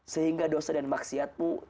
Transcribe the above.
sehingga dosa dan maksiatmu